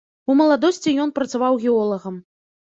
У маладосці ён працаваў геолагам.